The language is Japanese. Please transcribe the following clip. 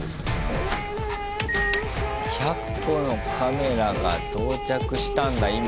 １００個のカメラが到着したんだ今。